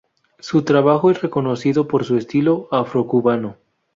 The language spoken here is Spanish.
Su trabajo es reconocido por su estilo "afro-cubano".